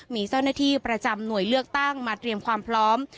มีเจ้าหน้าที่ประจำหน่วยเลือกตั้งมาเตรียมความพร้อม